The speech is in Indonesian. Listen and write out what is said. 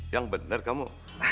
yang bener kamu